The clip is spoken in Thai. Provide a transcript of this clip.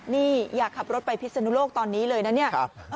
นี่อยากขับรถไปพิศนุโลกตอนนี้เลยนะเนี่ย